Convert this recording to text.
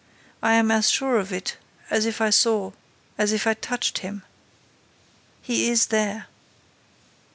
I am as sure of it as if I saw as if I touched him. He is there."